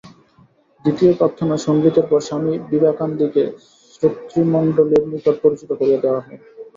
দ্বিতীয় প্রার্থনা সঙ্গীতের পর স্বামী বিবেকান্দিকে শ্রোতৃমণ্ডলীর নিকট পরিচিত করিয়া দেওয়া হয়।